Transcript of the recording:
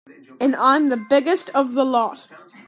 And I'm the biggest of the lot.